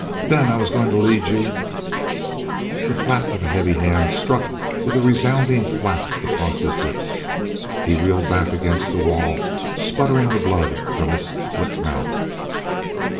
Then I was goin' to lead you " The flat of a heavy hand struck with a resounding thwack across his lips. He reeled back against the wall, sputtering the blood from his split mouth.